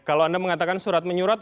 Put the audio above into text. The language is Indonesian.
kalau anda mengatakan surat menyurat